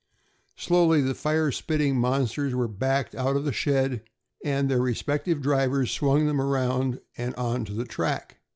Slowly the fire spitting monsters were backed out of the shed, and their respective drivers swung them around and on to the track.